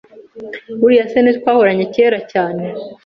Uriya se ntitwahoranye cyera cyane?